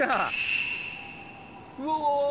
うわ！